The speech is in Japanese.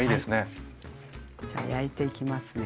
じゃあ焼いていきますね。